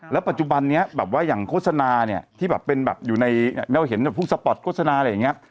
แล้วปัจจุบันนี้แบบว่าอย่างโฆษณาเนี่ยที่แบบเป็นแบบอยู่ในแนวเห็นพวกสปอร์ตโฆษณาอะไรอย่างนี้